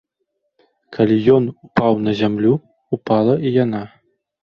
Калі ён упаў на зямлю, упала і яна.